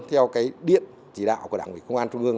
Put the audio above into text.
theo điện chỉ đạo của đảng quỹ công an trung ương